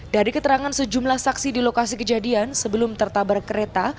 dari keterangan sejumlah saksi di lokasi kejadian sebelum tertabrak kereta